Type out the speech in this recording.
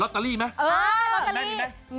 เออลอตเตอรี่แม่มีไหม